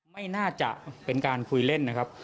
ไม่น่าจะเป็นการคุยเล่นนะครับ